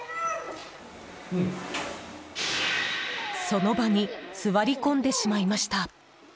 その場に座り込んでしまいました。